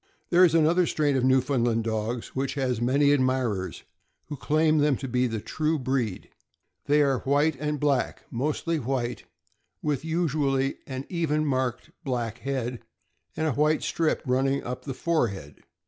There is another strain of Newfoundland dogs which has many admirers, who claim them to be of the true breed. They are white and black — mostly white, with usually an even marked black head, with a white strip running up the forehead.